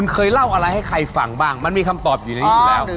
เคยเล่าอะไรให้ใครฟังบ้างมันมีคำตอบอยู่ในนี้อยู่แล้ว